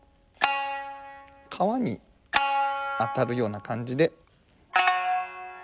皮に当たるような感じで。